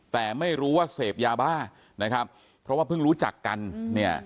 แต่ไม่รู้ว่าเสพยาบ้านะครับเพราะว่าเพิ่งรู้จักกันเนี่ย